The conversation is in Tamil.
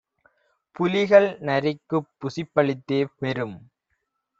புலிகள் நரிக்குப் புசிப்பளித்தே பெரும்